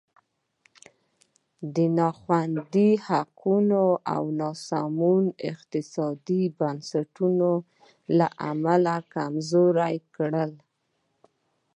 د نا خوندي حقونو او ناسمو اقتصادي بنسټونو له امله کمزوری کړل.